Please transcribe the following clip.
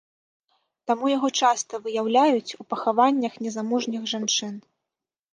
Таму яго часта выяўляюць у пахаваннях незамужніх жанчын.